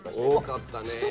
多かったね。